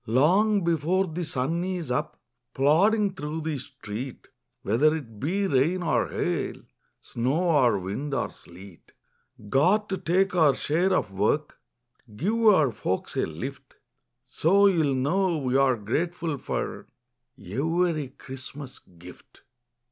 Long before the sun is up, Plodding through the street, Whether it be rain or hail, Snow or wind or sleet. Got to take our share of work, Give our folks a lift. So you'll know we're grateful for Every Christmas gift.